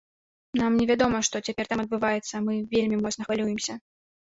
Нам невядома, што цяпер там адбываецца, мы вельмі моцна хвалюемся.